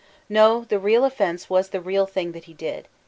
No; the real o£Fense was the real thing that he did.